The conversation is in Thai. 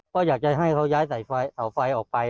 ก็อยากจะให้เขาย้ายใส่ไฟออกไป